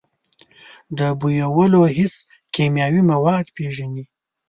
د بویولو حس کیمیاوي مواد پېژني.